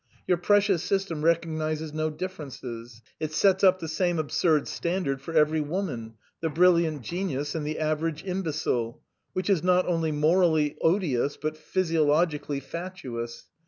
Your precious system recognises no differences. It sets up the same absurd standard for every woman, the brilliant genius and the average imbecile. Which is not only morally odious but physiologically fatuous.